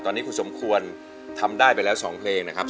ตอนนี้คุณสมควรทำได้ไปแล้ว๒เพลงนะครับ